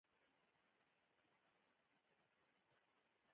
حتی که زما قوم وايي.